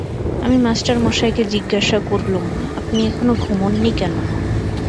আমি মাস্টারমশায়কে জিজ্ঞাসা করলুম, আপনি এখনো ঘুমোন নি কেন?